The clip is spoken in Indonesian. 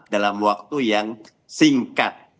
dalam waktu yang singkat